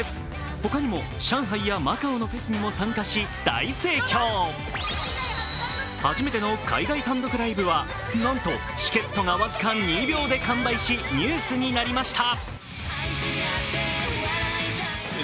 他にも上海やマカオのフェスにも参加し大盛況初めての海外単独ライブはなんと、チケットが僅か２秒で完売しニュースになりました。